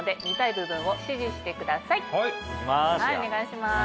はいお願いします。